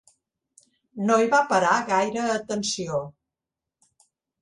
No hi va parar gaire atenció.